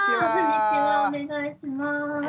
お願いします。